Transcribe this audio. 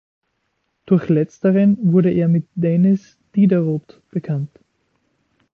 Durch letzteren wurde er mit Denis Diderot bekannt.